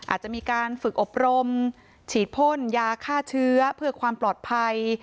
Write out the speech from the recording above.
อาจจะมีการฝึกอบรมฉีดพ่นยาฆ่าเชื้อเพื่อความปลอดภัย